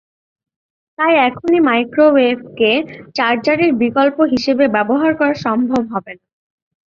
তাই এখনই মাইক্রোওয়েভকে চার্জারের বিকল্প হিসেবে ব্যবহার করা সম্ভব হবে না।